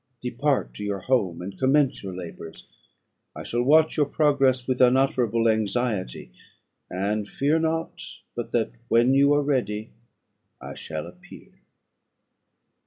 Depart to your home, and commence your labours: I shall watch their progress with unutterable anxiety; and fear not but that when you are ready I shall appear."